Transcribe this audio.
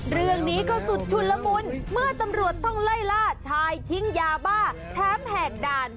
เรื่องนี้ก็สุดชุนละมุนเมื่อตำรวจต้องไล่ล่าชายทิ้งยาบ้าแถมแหกด่าน